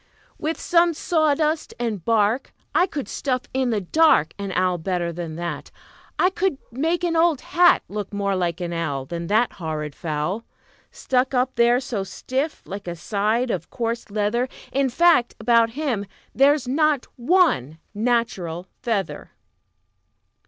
"With some sawdust and bark I could stuff in the dark An owl better than that. I could make an old hat Look more like an owl Than that horrid fowl, Stuck up there so stiff like a side of coarse leather. In fact, about him there's not one natural feather."